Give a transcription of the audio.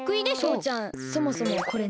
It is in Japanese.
とうちゃんそもそもこれなに？